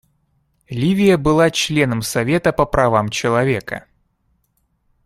Ливия была членом Совета по правам человека.